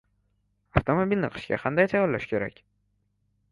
Avtomobilni qishga qanday tayyorlash kerak?